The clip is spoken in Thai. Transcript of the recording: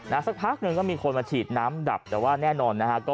สักพักหนึ่งก็มีคนมาฉีดน้ำดับแต่ว่าแน่นอนนะฮะ